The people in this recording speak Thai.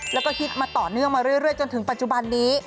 แล้วก็ฮิตมาต่อเนื่องมาเรื่อยจนถึงปัจจุบันนี้